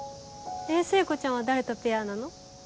えっ聖子ちゃんは誰とペアなの？